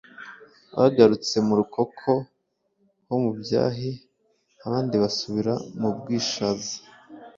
bagarutse mu Rukoko ho mu Byahi abandi basubira mu Bwishaza.